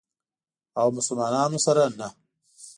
او مسلمانانو سره نه.